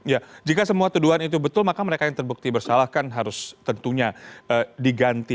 ya jika semua tuduhan itu betul maka mereka yang terbukti bersalah kan harus tentunya diganti